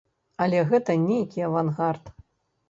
Але гэта нейкі авангард.